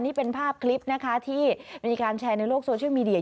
นี่เป็นภาพคลิปนะคะที่มีการแชร์ในโลกโซเชียลมีเดีย